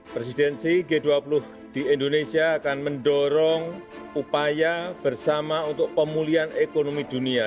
presidensi g dua puluh di indonesia akan mendorong upaya bersama untuk pemulihan ekonomi dunia